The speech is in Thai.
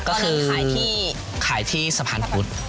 ก็คือขายที่สะพานพุทธ